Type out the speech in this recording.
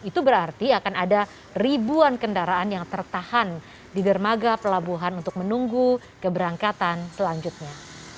itu berarti akan ada ribuan kendaraan yang tertahan di dermaga pelabuhan untuk menunggu keberangkatan selanjutnya